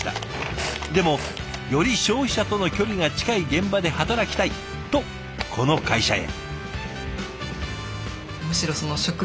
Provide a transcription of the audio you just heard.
でも「より消費者との距離が近い現場で働きたい！」とこの会社へ。